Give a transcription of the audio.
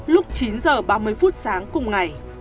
lúc chín h ba mươi phút sáng cùng cô gái